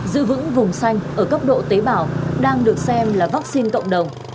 giữ vững vùng xanh ở cấp độ tế bào đang được xem là vaccine cộng đồng